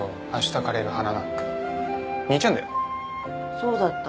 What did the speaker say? そうだった。